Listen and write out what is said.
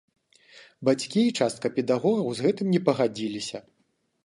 Бацькі і частка педагогаў з гэтым не пагадзіліся.